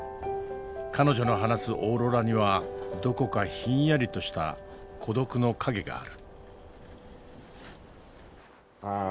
彼女の話すオーロラにはどこかひんやりとした孤独の影がある。